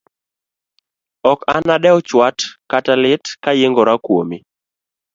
Ok anadew chwat kata lit kayiengora kuomi.